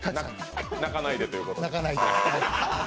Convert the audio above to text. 「泣かないで」ということで。